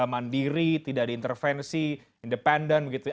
mandiri tidak ada intervensi independen begitu